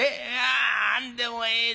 何でもええだ」。